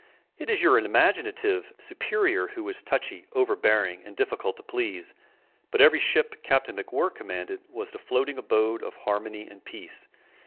It is your imaginative superior who is touchy, overbearing, and difficult to please; but every ship Captain MacWhirr commanded was the floating abode of harmony and peace.